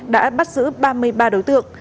đã bắt giữ ba mươi ba đối tượng